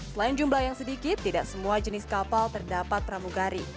selain jumlah yang sedikit tidak semua jenis kapal terdapat pramugari